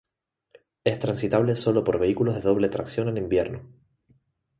Es transitable sólo por vehículos de doble tracción en invierno.